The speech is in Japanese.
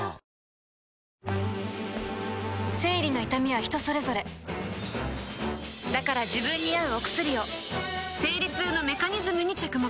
生理の痛みは人それぞれだから自分に合うお薬を生理痛のメカニズムに着目